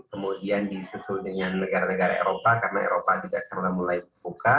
kemudian disusul dengan negara negara eropa karena eropa juga sudah mulai buka